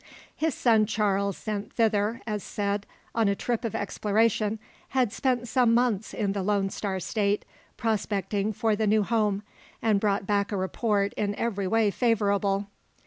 His son Charles sent thither, as said, on a trip of exploration, had spent some months in the Lone Star State, prospecting for the new home; and brought back a report in every way favourable.